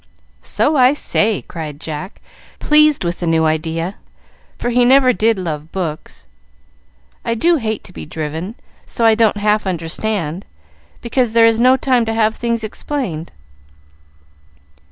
"So I say!" cried Jack, pleased with the new idea, for he never did love books. "I do hate to be driven so I don't half understand, because there is no time to have things explained.